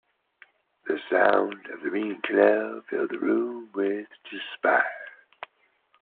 The sound of the ringing Knell filled the room with despair.